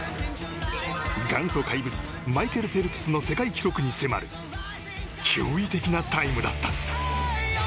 元祖怪物マイケル・フェルプスの世界記録に迫る驚異的なタイムだった。